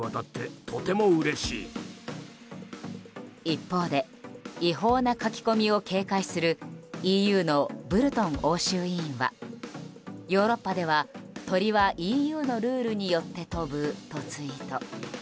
一方で違法な書き込みを警戒するＥＵのブルトン欧州委員はヨーロッパでは鳥はＥＵのルールによって飛ぶとツイート。